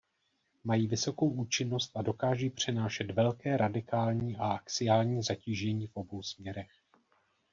Mají vysokou účinnost a dokáží přenášet velké radikální a axiální zatížení v obou směrech.